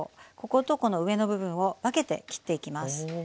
こことこの上の部分を分けて切っていきます。